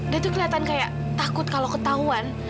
dia tuh kelihatan kayak takut kalau ketahuan